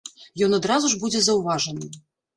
Ён адразу ж будзе заўважаны.